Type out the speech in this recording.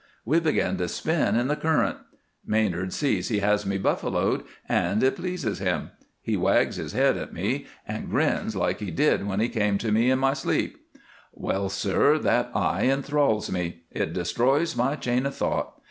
We begin to spin in the current. Manard sees he has me buffaloed, and it pleases him. He wags his head at me and grins like he did when he came to me in my sleep. "Well, sir, that eye enthralls me. It destroys my chain of thought.